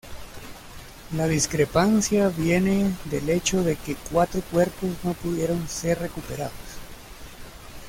La discrepancia viene del hecho de que cuatro cuerpos no pudieron ser recuperados.